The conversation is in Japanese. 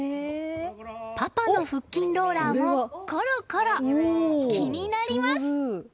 パパの腹筋ローラーもコロコロ気になります。